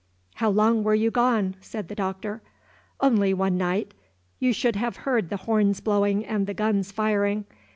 "How long were you gone?" said the Doctor. "Only one night. You should have heard the horns blowing and the guns firing.